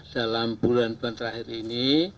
dalam bulan bulan terakhir ini